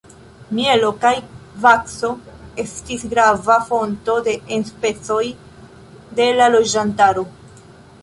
Mielo kaj vakso estis grava fonto de enspezoj de la loĝantaro.